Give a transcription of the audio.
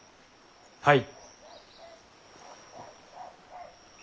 はい。